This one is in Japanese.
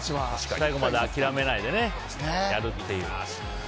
最後まで諦めないでやるっていう。